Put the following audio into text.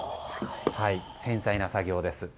繊細な作業です。